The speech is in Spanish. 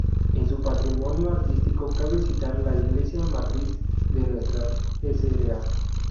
En su patrimonio artístico cabe citar la iglesia matriz de Nuestra Sra.